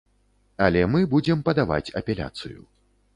Але мы будзем падаваць апеляцыю.